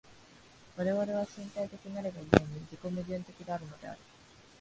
我々は身体的なるが故に、自己矛盾的であるのである。